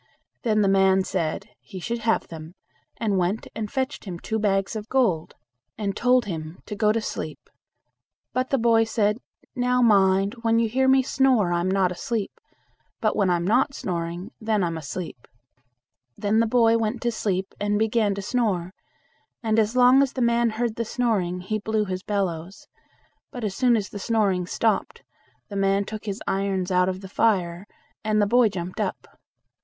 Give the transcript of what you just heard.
Then the man said, he should have them, and went and fetched him two bags of gold, and told him to go to sleep. But the boy said, "Now mind, when you hear me snore I'm not asleep, but when I am not snoring, then I'm asleep." Then the boy went to sleep and began to snore, and as long as the man heard the snoring, he blew his bellows; but as soon as the snoring stopped, the man took his irons out of the fire, and the boy jumped up.